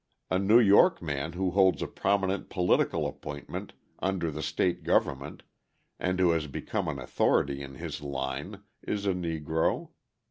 A New York man who holds a prominent political appointment under the state government and who has become an authority in his line, is a Negro.